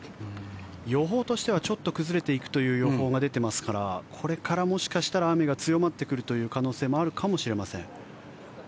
予報としては少し崩れていくという予報が出ていますからこれからもしかしたら、雨が強まってくるという可能性もあるかもしれません。